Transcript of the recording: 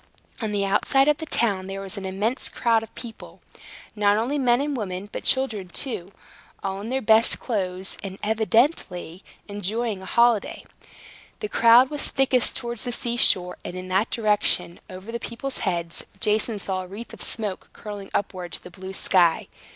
On the outside of the town there was an immense crowd of people, not only men and women, but children too, all in their best clothes, and evidently enjoying a holiday. The crowd was thickest towards the sea shore; and in that direction, over the people's heads, Jason saw a wreath of smoke curling upward to the blue sky.